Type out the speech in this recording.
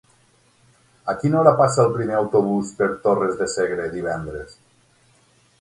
A quina hora passa el primer autobús per Torres de Segre divendres?